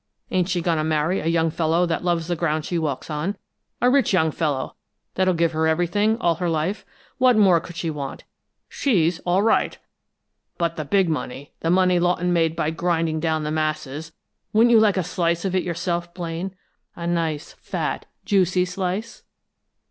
Ain't she goin' to marry a young fellow that loves the ground she walks on a rich young fellow, that'll give her everything, all her life? What more could she want? She's all right. But the big money the money Lawton made by grinding down the masses wouldn't you like a slice of it yourself, Blaine? A nice, fat, juicy slice?"